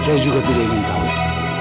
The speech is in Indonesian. saya juga tidak ingin tahu